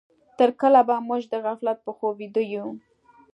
تر کله به موږ د غفلت په خوب ويده يو؟